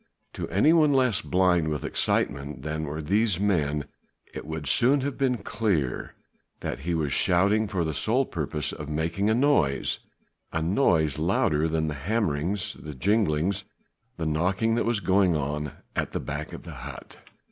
To anyone less blind with excitement than were these men it would soon have been clear that he was shouting for the sole purpose of making a noise, a noise louder than the hammerings, the jinglings, the knocking that was going on at the back of the hut.